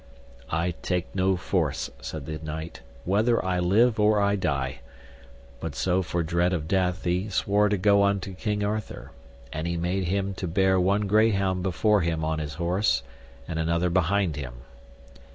I take no force, said the knight, whether I live or I die; but so for dread of death he swore to go unto King Arthur, and he made him to bear one greyhound before him on his horse, and another behind him.